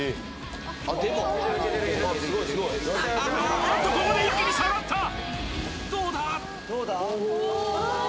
おっとここで一気に下がったどうだ？